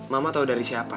mama tau dari siapa